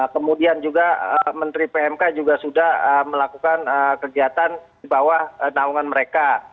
kemudian juga menteri pmk juga sudah melakukan kegiatan di bawah naungan mereka